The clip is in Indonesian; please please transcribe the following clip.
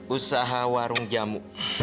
usaha warung jamu